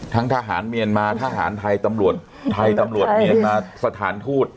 ทหารเมียนมาทหารไทยตำรวจไทยตำรวจเมียนมาสถานทูต